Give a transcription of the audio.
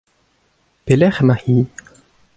Pelec'h emañ-hi ?